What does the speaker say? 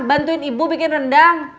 bantuin ibu bikin rendang